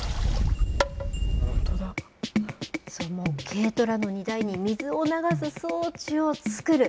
軽トラの荷台に水を流す装置を作る。